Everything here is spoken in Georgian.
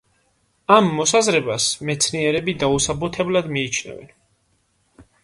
ამ მოსაზრებას მეცნიერები დაუსაბუთებლად მიიჩნევენ.